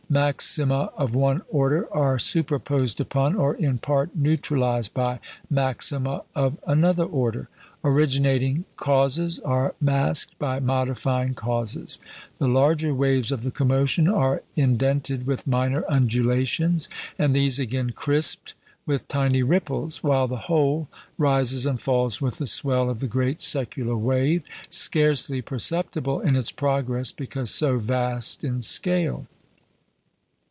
Maxima of one order are superposed upon, or in part neutralised by, maxima of another order; originating causes are masked by modifying causes; the larger waves of the commotion are indented with minor undulations, and these again crisped with tiny ripples, while the whole rises and falls with the swell of the great secular wave, scarcely perceptible in its progress because so vast in scale.